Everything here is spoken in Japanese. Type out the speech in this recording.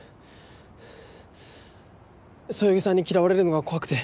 そよぎさんに嫌われるのが怖くて。